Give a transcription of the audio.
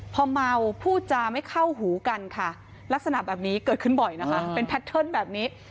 พอเมาพูดจาไม่เข้าหูกันค่ะลักษณะแบบนี้เกิดขึ้นบ่อยนะคะเป็นแพทเทิร์นแบบนี้